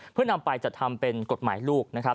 เพื่อนำไปจัดทำเป็นกฎหมายลูกนะครับ